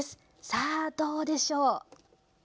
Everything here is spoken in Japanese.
さあ、どうでしょう？